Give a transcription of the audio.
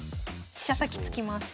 飛車先突きます。